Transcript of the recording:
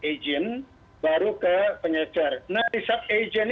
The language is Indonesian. agent baru kita bisa memperbaiki sistem yang diperlukan dan kita bisa memperbaiki sistem yang